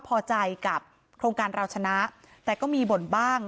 พอใจกับโครงการเราชนะแต่ก็มีบ่นบ้าง